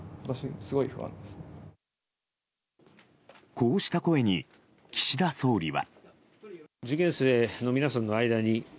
こうした声に、岸田総理は。